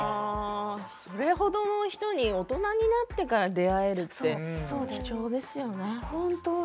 それ程の人に大人になってから出会えるって貴重ですよね。